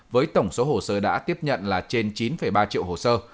với tổng số hồ sơ đã tiếp nhận là trên chín ba triệu hồ sơ